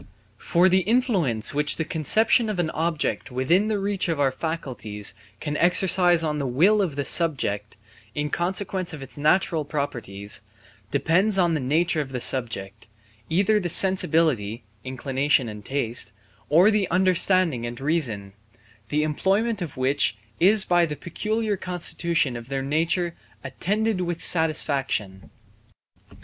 For the influence which the conception of an object within the reach of our faculties can exercise on the will of the subject, in consequence of its natural properties, depends on the nature of the subject, either the sensibility (inclination and taste), or the understanding and reason, the employment of which is by the peculiar constitution of their nature attended with satisfaction.